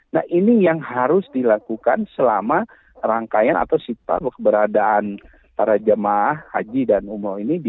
nah ini yang harus dilakukan selama rangkaian atau sitwa beradaan para jemaah haji dan umroh ini